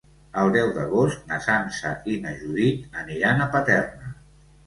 El deu d'agost na Sança i na Judit aniran a Paterna.